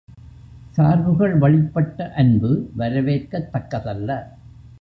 சார்புகள் வழிப்பட்ட அன்பு, வரவேற்கத் தக்கதல்ல.